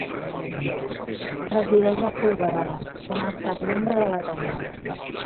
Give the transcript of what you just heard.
Resideix a Folgueroles, on ha estat membre de l'Ateneu.